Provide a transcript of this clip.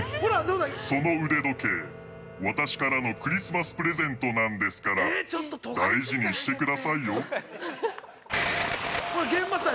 その腕時計、私からのクリスマスプレゼントなんですから、大事にしてくださいよ。